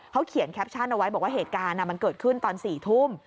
เขาเขียนแคปชั่นเอาไว้บอกว่าเหตุการณ์มันเกิดขึ้นตอน๔ทุ่ม